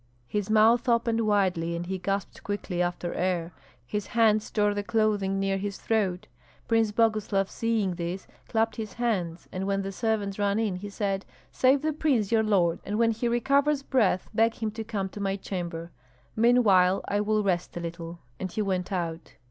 His mouth opened widely, and he gasped quickly after air; his hands tore the clothing near his throat. Prince Boguslav, seeing this, clapped his hands, and when the servants ran in, he said, "Save the prince your lord, and when he recovers breath beg him to come to my chamber; meanwhile I will rest a little." And he went out.